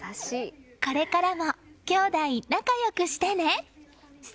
これからもきょうだい仲良くしてね。